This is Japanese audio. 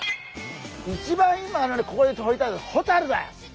いちばん今ここでとりたいのはホタルだよ！